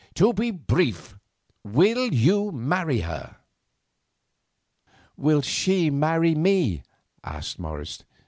"To be brief, will you marry her?" "Will she marry me?" asked Morris.